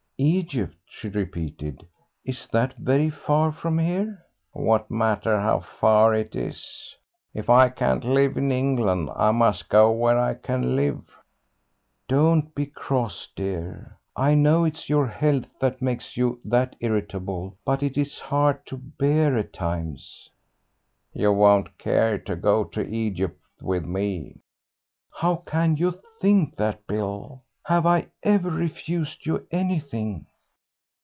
"Egypt," she repeated. "Is that very far from here?" "What matter how far it is! If I can't live in England I must go where I can live." "Don't be cross, dear. I know it's your health that makes you that irritable, but it's hard to bear at times." "You won't care to go to Egypt with me." "How can you think that, Bill? Have I ever refused you anything?"